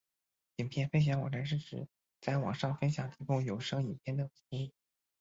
影片分享网站是指在网上免费提供有声影片的服务。